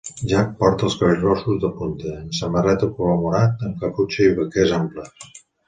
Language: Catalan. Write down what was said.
Jak porta els cabells rossos de punta, una samarreta color morat amb caputxa i vaquers amples.